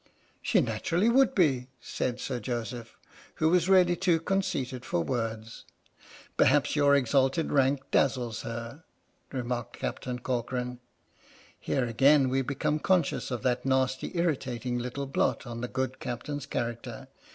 " She naturally would be," said Sir Joseph, who was really too conceited for words. " Perhaps your exalted rank dazzles her," re marked Captain Corcoran. Here again we become conscious of that nasty irritating little blot on the good Captain's character.